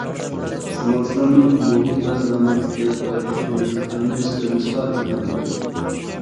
ئىستېمالچىلارنىڭ مۇھىت ۋە سالامەتلىككە پايدىلىق يېمەكلىكلەرنى سېتىۋېلىشقا ئىلھام بېرىدۇ.